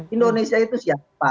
indonesia itu siapa